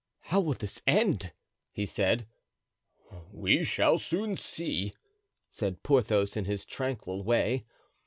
"How will this end?" he said. "We shall soon see," said Porthos, in his tranquil way.)